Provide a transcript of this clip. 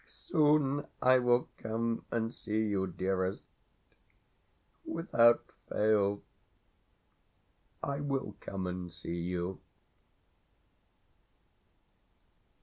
Soon I will come and see you, dearest. Without fail I will come and see you.